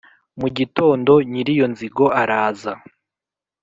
mu gitondo nyir'iyo nzigo araza